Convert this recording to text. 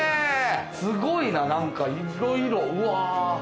すごいな何かいろいろうわ。